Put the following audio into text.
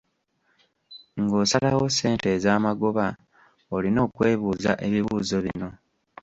Ng’osalawo ssente ez’amagoba, olina okwebuuza ebibuuzo bino.